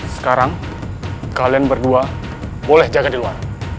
sekarang kalian berdua boleh jaga di luar